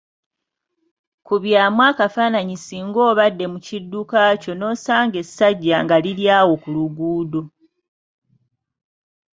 Kubyamu akafaananyi singa obadde mu kidduka kyo n‘osanga essajja nga liri awo ku luguudo.